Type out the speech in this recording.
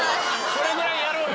それぐらいやろうよ！